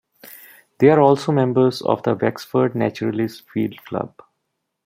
They are also members of the Wexford Naturalists' field club.